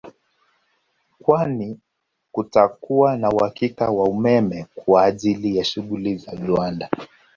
Kwani kutakuwa na uhakika wa umeme kwa ajili ya shughuli za viwanda